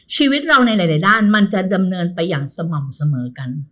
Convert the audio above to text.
ชีวิตเราในหลายด้านมันจะดำเนินไปอย่างสม่ำเสมอกัน